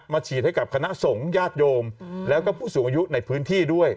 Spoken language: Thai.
ฉีดให้กับคณะสงฆ์ญาติโยมแล้วก็ผู้สูงอายุในพื้นที่ด้วย